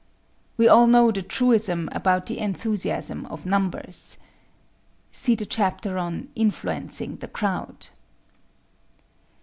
We all know the truism about the enthusiasm of numbers. (See the chapter on "Influencing the Crowd.")